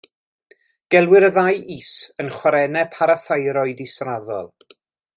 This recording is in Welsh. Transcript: Gelwir y ddau is yn chwarennau parathyroid israddol.